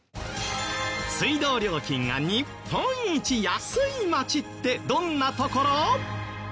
水道料金が日本一安い町ってどんな所？